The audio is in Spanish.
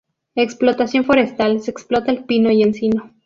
Explotación forestal: Se explota el pino y encino.